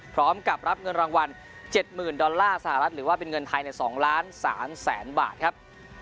พร้อมกับรับเงินรางวัล๗๐๐๐ดอลลาร์สหรัฐหรือว่าเป็นเงินไทยใน๒ล้าน๓แสนบาทครับ